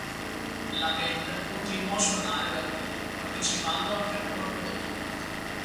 La band continuò a suonare dal vivo partecipando anche al Warped Tour.